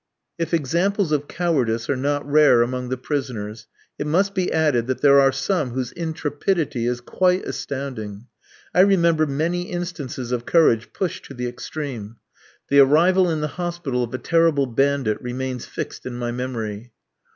If examples of cowardice are not rare among the prisoners, it must be added that there are some whose intrepidity is quite astounding. I remember many instances of courage pushed to the extreme. The arrival in the hospital of a terrible bandit remains fixed in my memory.